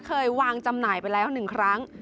เคยวางจำหน่ายไปแล้ว๑ครั้ง